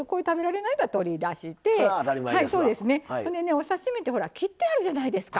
お刺身ってほら切ってあるじゃないですか。